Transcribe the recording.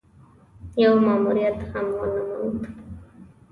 يو ماموريت هم ونه موند.